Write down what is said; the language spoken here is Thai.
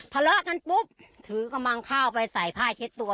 ทะเลาะกันปุ๊บถือกระมังข้าวไปใส่ผ้าเช็ดตัว